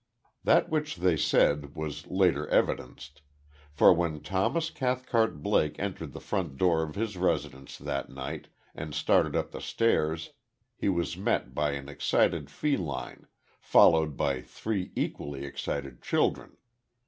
That which they said was later evidenced; for when Thomas Cathcart Blake entered the front door of his residence that night and started up the stairs, he was met by an excited feline, followed by three equally excited children.